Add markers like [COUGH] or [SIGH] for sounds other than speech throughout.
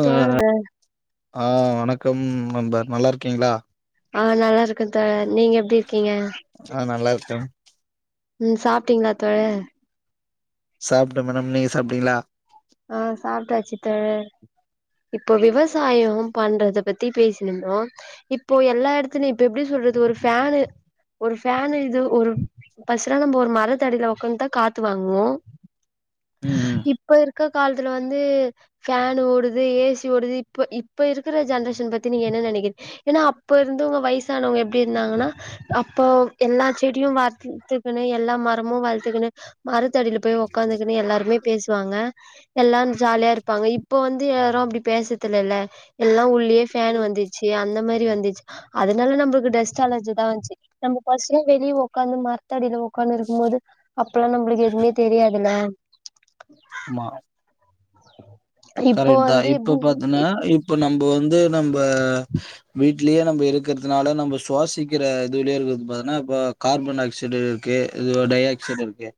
ஆ தோழரு ஆ வணக்கம் நண்பர் நல்லா இருக்கீங்ளா ஆ நல்லா இருக்கே தோழர் நீங்க எப்டி இருக்கீங்க ஆ நல்லா இருக்கன் உம் சாப்ட்டீங்ளா தோழர் சாப்ட்டே மேடம் நீங்க சாப்டீங்ளா ஆ சாப்ட்டாச்சு தோழர் இப்போ விவசாயம் பண்றத பத்தி பேசினுந்தோ இப்போ எல்லா இடத்துலயு இப்ப எப்டி சொல்றது ஒரு ஃபேனு ஒரு ஃபேனு இது ஒரு ஃபர்ஸ்ட் லா நம்ம ஒரு மரத்தடியில உக்கந்துதா காத்து வாங்குவோ உம் இப்ப இருக்க காலத்துல வந்து ஃபேன் ஓடுது ஏசி ஓடுது இப்ப இப்ப இருக்கிற ஜென்ரேஷன் பத்தி நீங்க என்ன நெனைக்கிறீங்க ஏன்னா அப்ப இருந்தவங்க வயசானவங்க எப்படி இருந்தாங்கன்னா அப்போ எல்லா செடியு வளத்துக்கணு எல்லா மரமு வளத்துக்கணு மரத்தடியில போய் உக்காந்துக்கன்னு எல்லாருமே பேசுவாங்க எல்லா ஜாலியா இருப்பாங்க இப்ப வந்து யாரு அப்படி பேசுரதுல இல்ல ல்ல எல்லா உள் உள்ளையே ஃபேன் வந்துச்சு அந்த மாரி வந்துச்சு அதனால நம்மளுக்கு டஸ்ட் அலர்ஜி தா வந்துச்சு நம்ம ஃபர்ஸ்ட்லா வெளியே உக்காந்து மரத்த அடியில உக்காந்து இருக்கும் போது அப்பல்லா நம்மளுக்கு எதுவுமே தெரியாதுல ஆமா இப்போ கரெக்ட் தா வந்து இப்ப எப்டி பாத்தீன்னா இப் இப்ப நம்ப வந்து நம்ப வீட்டு வீட்லயே நம்ம இருக்கிறதுனால நம்ம சுவாசிக்கிற இதுலயே இருக்கிறதது பாத்தோனா இப்போ கார்பன் ஆக்சைடு ஓக்கே இதோட டைஆக்ஸைடு இருக்கு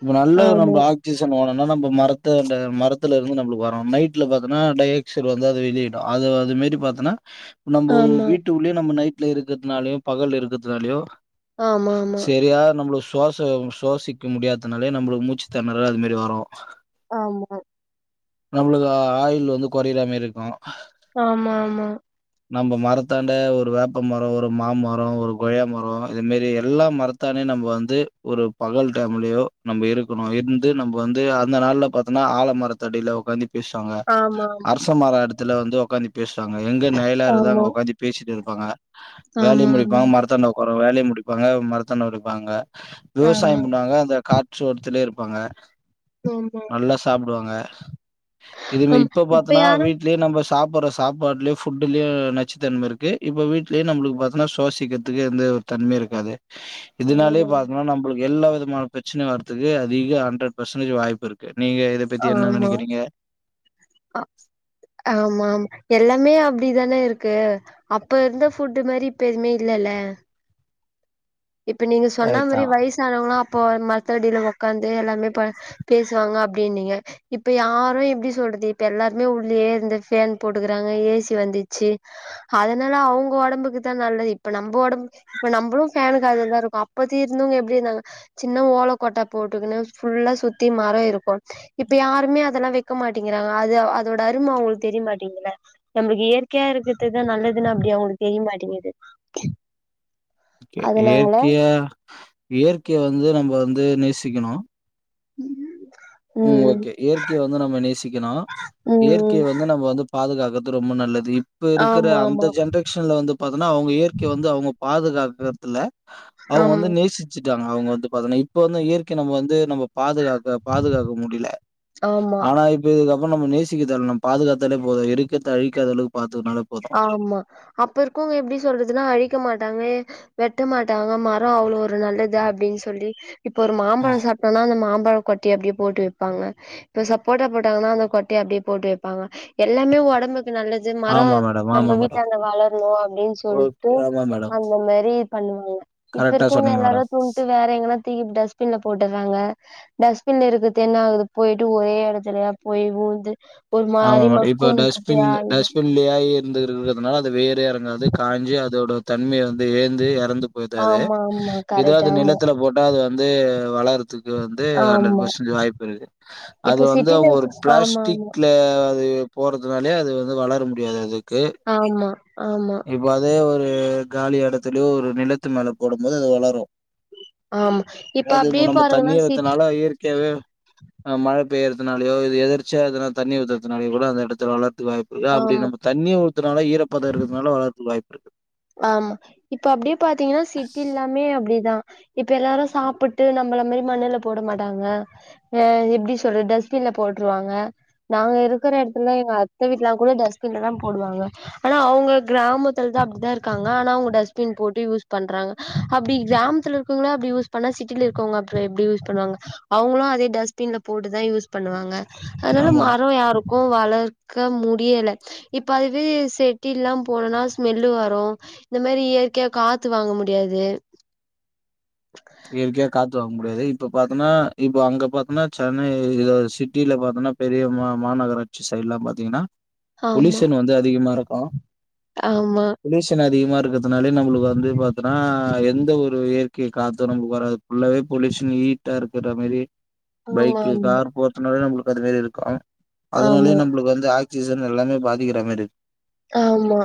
இப்ப நல்ல ஒரு ஆமா நம்ம ஆக்சிஜன் வேனும்னா நம்ம மரத்த அந்த மரத்துல இருந்து நம்மளுக்கு வரனு நைட்ல பாத்தீன்னா டைஆக்சைடு வந்து அது வெளியிடு அது அது மாரே பாத்தன்னா நம்ம ஆமா வீட்டுள்ளேயே நம்ம நைட்ல இருக்கிறதுனாலயோ பகல்ல இருக்கிறதுனாலயோ ஆமா சரியா நம்மளுக்கு சுவாச சுவோசிக்க முடியாததுனாலே நம்மளுக்கு மூச்சு தினறல் அது மாதிரி வரு ஆமா நம்மளுக்கு ஆயுள் வந்து கொறையிற மாரி இருக்கு ஆமா நம்ம மரத்தாண்ட ஒரு வேப்ப மரோ ஒரு மாமரோ ஒரு கொய்யா மரோ இந்த மேரி எல்லா மரத் தானே நம்ம வந்து ஒரு பகல் டடைம்லயோ நம்ம இருக்கணு இருந்து நம்ம வந்து அந்த நாள்ல பாத்தோன்னா ஆலமரத்து அடியில உக்காந்து பேசுவாங்க ஆமா அரச மரோ எடத்துல வந்து உக்காந்து பேசுவாங்க எங்க நிழலா இருக்குதோ ஆமா அங்க உக்காந்து பேசிட்டு இருப்பாங்க வேலைய ஆமா ஆமா முடிப்பாங்க மரத்தான்ட ஒரு வேலைய முடிப்பாங்க மாரத்தாண்ட இருப்பாங்க ஆமா விவசாயோ ஆமா ஆமா பண்ணாங்க அந்த கா தோட்டத்துலயே இருப்பாங்க ஆமா நல்லா சாப்பிடுவாங்க இது ஆமா இப்ப பாத்துன்னா யாரும் வீட் இதே நம்ம சாப்பற சாப்ட்லே ஃபுட்லே நச்சுத்தன்ம இருக்கு இப்ப வீட்லே நம்ளுக்கு பாத்னா சுவாசிக்க க்குரதுக்கு அந்த ஒரு தன்ம இருக்காது இதனாலயே ஆமா பாத்தீங்கன்னா நம்ளுக்கு எல்லா விதமான பிரச்சன வரரதக்கு அதிக அண்ரெட் பெர்சன்டேஜ் வாய்ப்பு இருக்கு நீங்க இத பத்தி என்ன ஆமா நெனைக்கிறீங்க? ஆமா ஆமா எல்லாமே அப்டி தான இருக்கு அப்ப இருந்த ஃபுட்டு மாரி இப்ப எதுவுமே இல்லல்ல இப்ப நீங்க சொன்ன கரெக்ட் மாரி தான். வயசானவங்களா அப்போ மரத்துல அடியில உக் உக்காந்து எல்லாமே பே பேசுவாங்க அப்டினிங்க இப்ப யாரு எப்படி சொல்றது இப்ப எல்லாருமே உள்ளலயே இருந்த ஃபேன் போட்டுக்கறாங்க ஏசி வந்துச்சு அதனால அவங்க ஒடம்புக்கு தா நல்லது இப்ப நம்ம ஒடம்பு இப்ப நம்மளு ஃபேன்க்கு காத்துல தா இருக்கோ அப்பத்தி இருந்தவங்க எப்படி இருந்தாங்க சின்ன ஓல கொட்டா போட்டுக்கன்னு ஃபுல்லா சுத்தி மரோ இருக்கு இப்ப யாருமே அதெல்லா வெக்க மாட்டேக்குகிறாங்க அது அதோட அரும அவங்களுக்கு தெரியமாட்டீங்குதுள்ள நம்மளுக்கு இயற்கையா இருக்கிறதுதா நல்லதுன்னு அப்டி அவங்களுக்கு தெரிய மாட்டேங்குது அதனால இயற்கையா இயற்கையை வந்து நம்ம வந்து நேசிக்கணு ம் ம் ம் ஓகே இயற்கைய வந்து நம்ம நேசிக்கணு ம் ம் இயற்கைய ம் வந்து நம்மோ வந்து பாதுகாக்கறது ரொம்ப நல்லது இப்பருக்குற ஆமா அந்த ஆமா ஜென்ரே ஷன்ல வந்து பாத்தன்னா அவங்க இயற்கைய வந்து அவங்க பாதுகாக்கறதுல்ல அவங்க வந்து நேசிச்சுட்டாங்க அவங்க வந்து பாத்தன்னா இப்ப வந்து இயற்கை நம்ம வந்து நம்ம பாதுகாக்க பாதுகாக் க முடியல ஆமா ஆமா ஆனா இப் இதுக்கப்பறோ நம்ம நேசிக்க தேவல்ல நம் பாதுகாத்தாலே போது இருக்கறத்த அழிக்காத அளவு பாத்துக்குட்னாலே ஆமா அப்ப இருக்கவங்க எப்டி சொல்றதுன்னா அழிக்க மாட்டாங்க வெட்ட மாட்டாங்க மரோ அவ்ளோ ஒரு நல்லது அப்டின்னு சொல்லி இப்ப ஒரு மாம்பழோ சாப்டாலு அந்த மாம்பழோ கொட்டைய அப்டியே போட்டு வைப்பாங்க இப்போ சப்போட்டா போட்டாங்கன்னா அந்த கொட்டைய அப்டியே போட்டு வெப்பாங்க எல்லாமே ஒடம்புக்கு நல்லது மரோ ஆமா மேடம், ஆமா நம்ம மேடம். வீட்டான்ட வளரணு அப்டின் ஓகே. சொல்ட்டு ஆமா மேடம். அந்த மாரி பண்ணுவாங்க இப்ப கரெக்ட்டா இருக்கவங்க சொன்னீங்க எல்லாரு மேடம். தூண்ட்டு வேற எங்கனா தூக்கி டஸ்பின்ல போட்டர்றாங்க டஸ்ட்பின்ல இருக்கது என்னாகுறது போயிட்டு ஒரே எடத்துலயா போய் ஊந்து ஒரு மாரி மக்கும் குப்பயா உள்ளையாய் இருந்துருக்குறது அதனால அது வேறு எறங்காது காஞ்சி அதோட தன்மையை வந்து ஏந்து எறந்து போத்தது ஆமா ஆமா கரெக்ட் எதாவது ஆமா நெலத்துல போட்டா அது வந்து வளரதுக்கு வந்து ஹண்ட்ரட் ஆமா பர்சன்ட்ஜ் வாய்ப்பு அது இப்ப வந்து சிட்டில அவங்க ஒரு இருக்க ஆமா ஆமா பிளாஸ்டிக்ல அ அது போறதுனாலே அது வந்து வளர முடியாது அதுக்கு ஆமா ஆமா இப்ப அதே ஒரு காலி இடத்துலயு ஒரு நிலத்து மேல போடும் போது அது வளரு ஆமா இப்ப அது அப்டியே நம்ம பாருங்கன்னா தண்ணிய சிட் வத்தனாலா இயற்கையாவே ஆ மழ பெய்யறதுனாலயோ இது எதர்ச்சியா அதனால தண்ணி ஊத்தறத்துனாலயோ கூட அந்த எடத்து வளர்த்துக்கு வாய்ப்புருக்கு அப்படி ஆமா நம்ம தண்ணிய ஊத்தனால ஈரப்பதோ இருகறதுனால வளரத்துக்கு வாய்ப்பு இருக்கு. ஆமா இப்ப அப்டியே பாத்தீங்கன்னா சிட்டில் எல்லாமே அப்பிடிதா இப்ப எல்லாரு சாப்புட்டு நம்மள மாரி மண்ணுல போட மாட்டாங்க அ எப்பிடி சொல்றது டஸ்ட்பின்ல போட்டுருவாங்க நாங்க இருக்கற எடத்துலா எங்க அத்த வீட்லல்லா கூட டஸ்ட்பின்ல தா போடுவாங்க ஆனா அவுங்க கிராமத்துல தா அப்படிதாருக்கு காங்க ஆனா அவங்க டஸ்ட்பின் போட்டு யூஸ் பண்றாங்க அப்பிடி கிராமத்துல இருக்குறவங்கள அப்பிடி யூஸ் பண்ணா சிட்டில இருக்கவங்க அப்றோ எப்டி யூஸ் பண்ணுவாங்க அவங்களு அதே டஸ்ட்பின்ல போட்டுதா யூஸ் பண்ணுவாங்க அதனால ஆமா. மரோ யாருக் கு வளர்க்க முடியல இப்ப அதுவே செட்டில்லா போனனா ஸ்மெல்லு வரு இந்த மாரி இயற்கையா காத்து வாங்க முடியாது இயற்கையா காத்து வாங்க முடியாது இப்ப பாத்தோம்ன்னா இப்ப அங்க பாத்தோம்ன்னா சென்னையில சிட்டியில பாத்தோன்னா பெரிய மா மாநகராட்சி சைடு்லா பாத்தீங்கன்னா ஆமா பொலியூஷன் வந்து அதிகமாருக்கு ஆமா பொல்யூஷன் அதிகமாருக்கறதுனாலே நம்மளுக்கு வந்து பாத்தோனா எந்த ஒரு இயற்கை காத் தரம்பு வராது ஃபுல்லவே பொல்யூஷன் ஹீடாருக்கற மேரி ஆமா பைக்கு கார் போ சொன்னமேரி நம்மளுக்கு அது மாரி இருக்கு ஆமா அதனாலேயே நம்மளுக்கு வந்து ஆக்சிஜன் எல்லாமே பாதிக்கிற மேரி இருக் ஆமா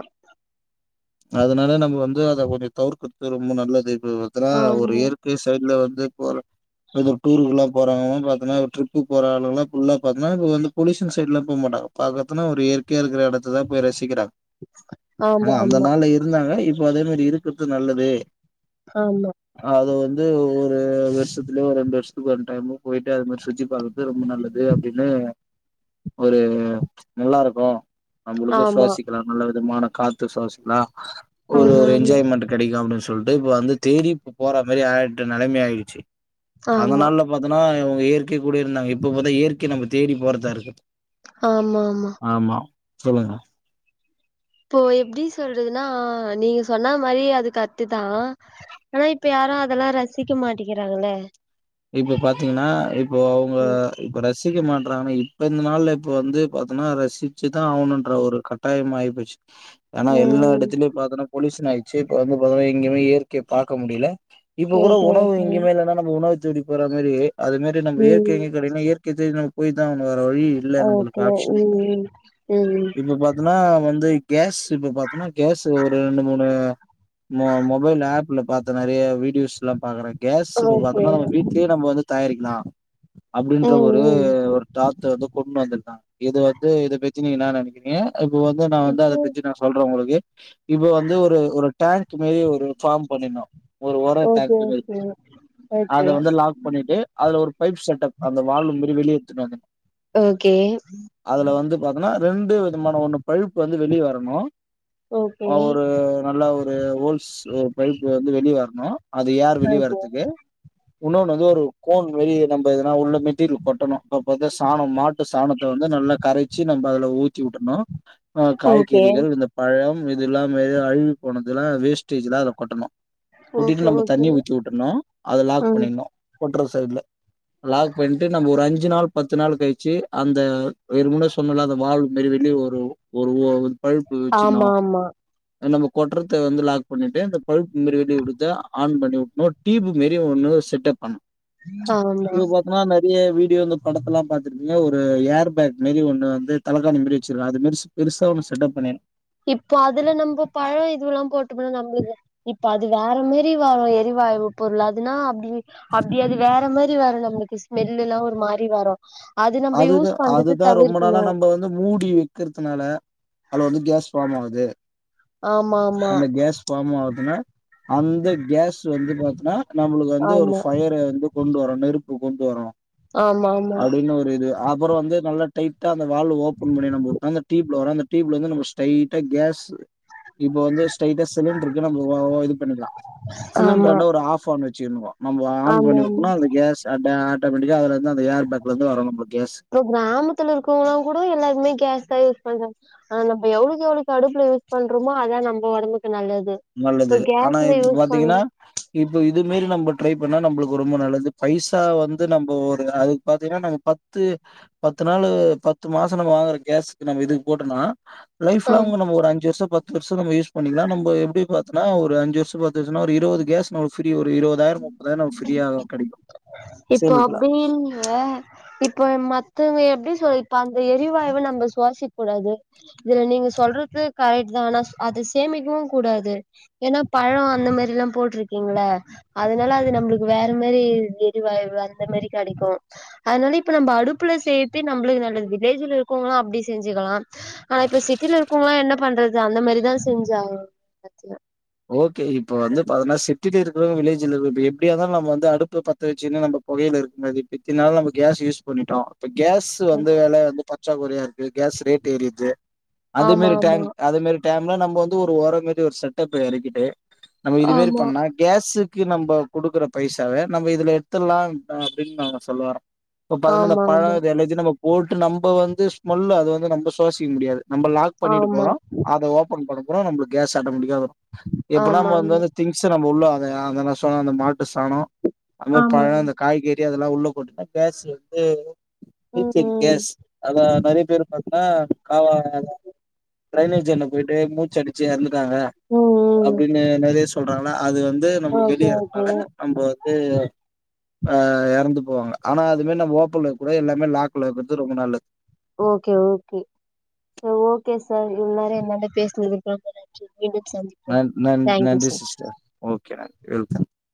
அதனால நம்ம வந்து அத கொஞ்சோ தவுக்கற்து ரொம்ப நல்லது இப்ப பாத்தன்னா ஒரு ஆமா க்கு சைட்ல வந்து போறாங் இந்த டூருக்கல்லா போறாங்க பாத்தன்னா ட்ரிப்பி போற ஆளுல்லா ஃபுல்லா பாத்தீனா இப்ப வந்து பொல்யூஷன் சைட்லா போ மட்டாங்க [UNINTELLIGIBLE] கே இருக்குற யடத்துதா போய் ரசிக்கிறாங் ஆனா ஆமா அந்த நாள்ல இருந்தாங்க இப்போ அதே மாரி இருக்குற்து நல்லதே காமா அது வந்து ஒரு வெர்ஷத்துலோ ஒர் ரெண்டு வர்ஷத்க்கு வன் டைமு போய்ட்டு அது மாரி சுத்தி பாக்குன் து ரொம்ப நல்லது அப்டின்னு ஒரு நல்லா இருக்கு நம்மளுக்கு ஆமா ஆமா சுவாசிக்கலா நல்ல விதமான காத்து ஸ்வாசிக்கலா ஒரு ஆமா ஆமா ஒரு என்ஜாய்மெண்ட் கிடைக்கு அப்டின் சொல்ட்டு இப்ப வந்து தேடி இப்ப போற மாரி ஆய்ட்டு நிலமை ஆய்டுச்சு அந்த ஆமா நாள்ல பாத்தோன்னா இவங்க இயற்கை கூடயே இருந்தாங்க இப்பு பாத்தா இயற்கை நம்ம தேடி போற்தாருக்கு ஆமாமா ஆமா சொல்லுங்க போ எப்டி சொல்றதுன்னா நீங்க சொன்னா மாரி அது கத்துதா ஆனா இப் யாரு அதல்லா ரசிக்க மாட்டிக்கிறாங்கள இப்ப பாத்தீங்கன்னா இப்போ அவ்ங்க ம் இப் ப ரசிக்க மாட்றான்ன இப்ப இந்த நாள்ல இப்போ வந்து பாத்தன்னா ரசிச்சிதா ஆவ்ணுன்ற ஒரு கட்டாயம் ஆய் போச் ஏனா எல்லா ம் இடத்தில்யு பாத்தோனா பொலீசன் ஆய்ச்சு இப்ப வந்து பாத்தன்னா எங்யுமே இயற்கை பாக்க முடியல இப்ப கூட ஓகே உணவு ஓகே இங்கி மேலனம் நம்ம உணவு தேடி போறத் மாரி அது மாரி நம்ப் இயற்கைய ம் எங்கே கிடைக்னா இயற்கை தேட் நம்ம போய் தா ஆவ்னு வேர வழி இல்ல நம்முளு ஓகே காட்சீல ம் ம் ம் இப்ப பாத் தனா வந்தைய் கேஸ் இப்ப பாத்தோனா கேஸ் ஒரு ரெண்டு மூணு மோ மொபைல் ஆப்ல பாத்த நறைய வீடியோஸ் ல்லா பாக்கறே கேஸ்ஸுக்கு ஓகே பாத்தோனா நம்ளு வீட்லே நம் வந்து தயாரிக்லா அப்படின்ற ம் ஒரு ம் ஒரு டாத் எதோ கொண் வந்துருக்கா இது வந்து இத பெஜ்ஜிக்கினா என்னா நெனக்கிறீங்க இப்ப வந்து நா வந்து அத இப்போ பெஜ்ஜி நா சொல்ற உங்ளுக்கு இப்ப வந்து ஒரு ஒரு டேங்க் ஒரு ஃபார்ம் பண்ணிர்னோ ஒரு உர டேங்க் ஓகே பிமாரி ஓகே அத ஓகே வந்து லாக் பண்ணிட்டு அதுல ஒரு பைப் செட்டப் அந்த வாலும் பிரி வெளிய எத்த்ன் வந்தே ஓகே அதல வந்து பாத்தனா ரெண்டு விதமான ஒண்ணு பழுப்பு வந்து வெளியே வரணு ஓகே ஓ ஒரு நல்ல ஒரு ஓல்ஸ் ஸ்லோ பைப்பு வந்து வெளிய வர்ணு அது யார் வெளிய வரறதுக்கு உணவு நந்தோரு கோன் மரி நம்ப எதனா உள்ள மெட்டீர்லு கொட்டணு அப்பதா சாணம் மாட்டு சாணத்த வந்து நல்ல கரைச்சு நம்ப அதுல ஊத்தி வுட்ருணு ஆ ஓகே காய்கெறிகள் இந்தப் பழம் இதுல்லாம எதா அழுவி போனதெல்லா வேஸ்டேஜ்ஜுலா அத கொட்டணு கூட்டிட்டு ஓகே நம்ம ஓகே தண்ணிய ஊத்தி விட்ருனு அத லாக் ம் பண்ணிந்நு போட்ரு சைட்ல லாக் பண்ட்டு நம்ப் ஒரு அஞ்சி நாள் பத்து நாள் கழிச்சி அந்த வேறு முன்ன சொன்னல அந்த வால்வ் மெரி வெளிய வரு ஒருவோவுல்த் பழுப்பு வச்சிக்னு ஆமா ஆமா ஏ நம்ம கொட்றத்து வந்து லாக் பண்ணிட்டு அந்த பழ்ப் மரி வெளிய குடுத்த ஆன் பண்ணி விட்ணு டீபுக் நெற்ய வுன்னுவோஸ் செட்டப் பண்ண ஆமா நா நற்ய வீடியோ வந்து படத்தல்லா பாத்ருப்பீங்க ஒரு ஏர் பேக் மெரி ஒன்னு வந்து தலகாணி மெரி வச்சிர்க்கா அது மெரி ஸு பெருசா ஒன்னு செட்டப் பண்ணேன் இப்போ அதுல நம்ம பழ இதுவெல்லா போட்டுமுனா நம்ளுக்தா இப்ப அது வேற மரி வாரு எரிவாயு பொருள் அதுனா அப்டி அப்டி அது வேற மாரி வரு நம்ளுக்கு ஸ்மெல்லெல்லா ஒரு மாரி வரு அது நம்ம அதுதா யூஸ் பண்றது அதுதா ரொம்ப நாளா தவிர்க்கணு நம்ப வந்த் மூடி வெக்கிற்த்துனால அல வந்து கேஸ் ஃபார்ம் ஆவ்து ஆமா ஆமா ஃபார்ம் ஆகுதுன்னா அந்த கேஸ் வந்து பாத்தோனா நம்மளுக்கு வந்து ஒரு ஆமா ஃபயர வந்து கொண்டு வரு நெருப்பு கொண்டு வரு ஆமா ஆமா அப்டின்னு ஒரு அந்த இது அப்பற வந்து நல்ல டைட்டா அந்த வால்வு ஓப்பன் பண்ணி உட்டா அந்த டியூப்ல வரும் அந்த டியூப்லருந்து நம்ம ஸ்டைட்டா கேஸ் இப்ப வந்து ஸ்டைட்டா சிலிண்டருக்கு நம்ம ஒ இது பண்ணிக்கலா ஆமா சிலிண்டர்னா ஒரு ஆஃப் ஆன் வச்சுருனு நம்ம ஆன் ஆமா ஆமா பண்ணிட்னா அந்த கேஸ் அத ஆட்டோமேட்டிக்கா அதுலருந்து ஏர் பேக்ல இருந்து வரு நம்மளுக்கு கேஸ் இப்ப கிராமத்துல இருக்கவங்களாங் கூடோ எல்லாருமே கேஸ் தா யூஸ் பண்றாங்க ஆ நம்ப எவ்ளோக்கு எவ்ளோக்கு அடுப்புல யூஸ் பண்றோமோ அதா நம்ம ஒடம்புக்கு நல்லது இப்ப நல்லது ஆனா கேஸ்ல இப்ப யூஸ் பண்ற பாத்தீங்கன்னா இப்ப இதுமேரி நம்ப ட்ரை பண்ணா நம்பளுக்கு ரொம்ப நல்லது பைசா வந்து நம்ப ஒரு அது பாத்தீங்கன்னா நாங்க பத்து பத்து நாலு பத்து மாச நம்ம வாங்குற கேஸ்க்கு நம்ம இதுக்கு போட்டோம்னா ஆம் லைஃப்லாங் நம்ம ஒரு அஞ்சு வருஷ பத்து வருஷ நம்ம யூஸ் பண்ணிக்கலா நம்ப எப்டி பாத்தோனா ஒரு அஞ்சு வர்ஷோ பத்து வர்ஷோன்னா ஒரு இருவது கேஸ் நமக்கு ஃப்ரீ வரு இருவதாயிர முப்பதாயிர நமக்கு ஃப்ரீயா கெடைக்கு இப்போ அப்டிங்குவ இப்போ மத்தவங்க எப்டி சொல்லிப்பாங்க எரிவாயுவ நம்ப சுவாசக்க கூடாது இதுல நீங்க சொல்றது கரெக்ட் தா ஆனா அத சேமிக்கவு கூடாது ஏன்னா பழ அந்த மாரில்லா போட்டிருக்கீங்கள அதனால அது நம்பளுக்கு வேற மாரி எரிவாயு அந்த மாரி கெடைக்கு அதனால இப்ப நம்ம அடுப்புல செய்யற்தே நம்பளுக்கு நல்லது வில்லேஜ்ல இருக்கோங்களா அப்டி செஞ்சுக்கலா ஆனா இப்ப சிட்டில இருக்கங்களா என்ன பண்றது அந்த மாரிதா செஞ்சாகணு [UNINTELLIGIBLE] ஓகே இப்ப வந்து பாத்தீன்னா சிட்டில இருக்கிறவங்க வில்லேஜ்ல இருக்க இப்ப எப்டியா இருந்தாலு நம்ம வந்து அடுப்பு பத்த வச்சுன்னா நம்ப பொகையில இருக்குனது இப்ப இத்தினி நாளு நம்ம கேஸ் யூஸ் பண்ணிட்டோ இப்ப கேஸ் வந்து வெல வந்து பற்றாக்குறையா இருக்கு கேஸ் ரேட் ஏறிட்து ந்த ஆமா மாரி ஆமா டேம் அது மாரி டேம்ல நம்ப வந்து ஒரு ஒரோ மாரி ஒரு செட்டப் எறக்கிட்டு நம்ம இதுமாரி ஆமா பண்ணா கேஸுக்கு நம்ப குடுக்குற பைசாவே நம்ப இதுல எடுத்துட்லா அப்டின்னு நம்ம சொல்ல வரோ இப்ப பாத்தோன்னா அந்த ஆமா பழோ இது எல்லாத்தையு நம்ம போட்டு நம்ப வந்து ஸ்மெல்லு அத வந்து நம்ம சுவாசிக்க முடியாது நம்ப லாக் பண்ணிட்டு ஆமா ஆமா போறோ அத ஓப்பன் பண்ண போறோ நம்பளுக்கு கேஸ் ஆட்டோமேட்டிக்கா வரு எப்பன்னா ஆமா நம்ம வந்து ஆமா அது திங்ஸு நம்ம உள்ள அத அத நா சொன்ன அந்த மாட்டு சாணோ அதுமா ஆமா பழோ அந்த காய்கறி டர்டி அதெல்லா உள்ள போட்டுட்டா கேஸ் வந்து ம் ஃப்யூச்சர் ம் கேஸ் அதா நெறைய பேர் பாத்தீன்னா காவ ட்ரைனேஜன்ன போயிட்டு மூச்ச அடிச்சு எறந்துட்டாங்க ம் ம் அப்டின்னு நெறைய சொல்றாங்கள அது வந்து நம்மளுக்கு ஓகே ஓகே வெளியேறதுனால நம்போ வந்து ஆ எறந்து போவாங்க ஆனா அதுமாரி நம்ம ஓப்பன்ல இருக்கக்கூடாது எல்லாமே லாக்ல இருக்கறது ரொம்ப நல்லது okay okay so okay sir இவ்வளோ நேர என்னான்ட பேசுனதுக்கு ரொம்ப நன்றி மீண்டும் சந்திப் நன் நன் நன்றி சிஸ்டர் ஓகே நன்றி வெல்கம்